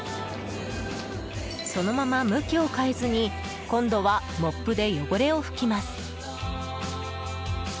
そのまま向きを変えずに今度はモップで汚れを拭きます。